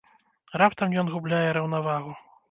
Раптам ён губляе раўнавагу.